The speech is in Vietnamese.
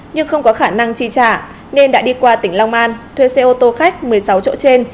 nhưng không có khả năng chi trả nên đã đi qua tỉnh long an thuê xe ô tô khách một mươi sáu chỗ trên